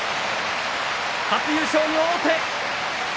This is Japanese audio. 初優勝に王手。